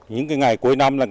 những ngày cuối năm là